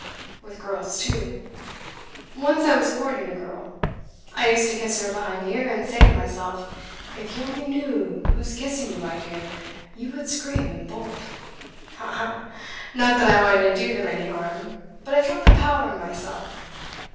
With girls, too. Once I was courting a girl. I used to kiss her behind the ear and say to myself: 'If you only knew who's kissing you, my dear, you would scream and bolt!' Ha! ha! Not that I wanted to do them any harm; but I felt the power in myself.